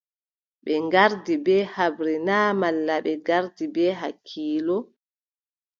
Ɓe ngardi bee haɓre na malla ɓe ngardi bee hakkiilo ?